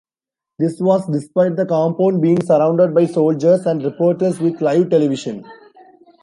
This was despite the compound being surrounded by soldiers and reporters with live television.